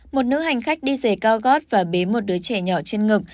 một nữ hành khách đi dày cao gót và bế một đứa trẻ nhỏ trên ngực